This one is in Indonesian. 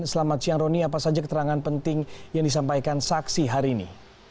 selamat siang roni apa saja keterangan penting yang disampaikan saksi hari ini